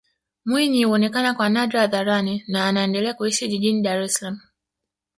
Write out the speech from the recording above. Mwinyi huonekana kwa nadra hadharani na anaendelea kuishi jijini Dar es Salaam